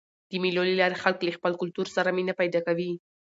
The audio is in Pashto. د مېلو له لاري خلک له خپل کلتور سره مینه پیدا کوي.